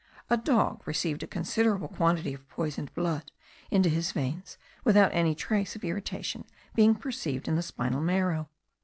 A dog received a considerable quantity of poisoned blood into his veins without any trace of irritation being perceived in the spinal marrow.